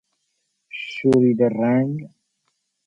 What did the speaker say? شوریده رنگ